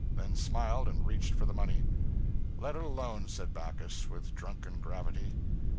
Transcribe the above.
then smiled and reached for the money. 'Let it alone,' said Backus, with drunken gravity.